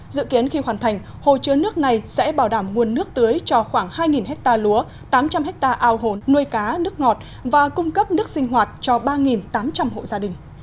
dự kiến khi hoàn thành hồ chứa nước này sẽ bảo đảm nguồn nước tưới cho khoảng hai hectare lúa tám trăm linh ha ao hồ nuôi cá nước ngọt và cung cấp nước sinh hoạt cho ba tám trăm linh hộ gia đình